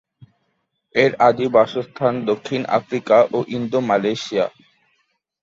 এর আদি বাসস্থান দক্ষিণ আফ্রিকা ও ইন্দো-মালয়েশিয়া।